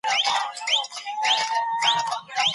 خلاق افراد ژور فکر کوي.